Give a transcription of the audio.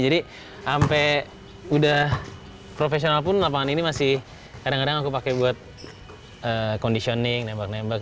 jadi sampai udah profesional pun lapangan ini masih kadang kadang aku pakai buat conditioning nembak nembak